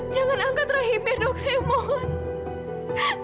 jangan angkat rahimnya dok saya mohon